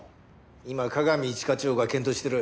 今加賀見一課長が検討してる。